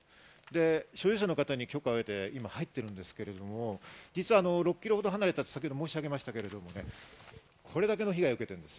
所有者の方に許可を得て入っているんですけど、６ｋｍほど離れたと申し上げましたけどね、これだけの被害を受けているんです。